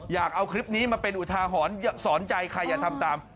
อยากเอาคลิปนี้มาเป็นอุทาหรณ์สอนใจใครอย่าทำตาม